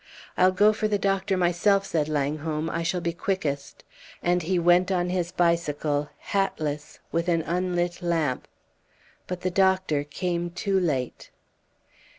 "I'll go for the doctor myself," said Langholm. "I shall be quickest." And he went on his bicycle, hatless, with an unlit lamp. But the doctor came too late.